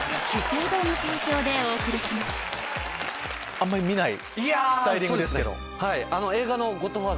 あんまり見ないスタイリングですけど。